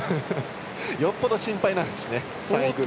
よっぽど心配なんですね。